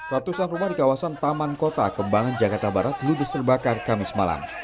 ratusan rumah di kawasan taman kota kembangan jakarta barat ludes terbakar kamis malam